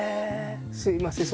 すいません